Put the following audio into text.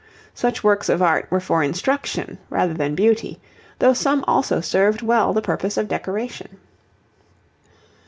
Such works of art were for instruction rather than beauty, though some also served well the purpose of decoration.